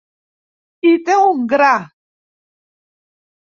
Hi té un gra.